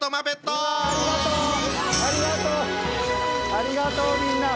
ありがとうみんな。